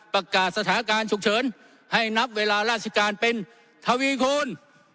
ประกาศสถานการณ์ฉุกเฉินให้นับเวลาราชการเป็นทวีคูณ